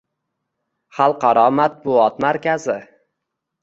xalqaro matbuot markazi